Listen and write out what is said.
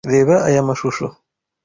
Reba aya mashusho.